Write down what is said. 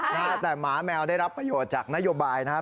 ถ้าแต่หมาแมวได้รับประโยชน์จากนโยบายนะฮะ